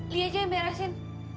dia aja yang meresin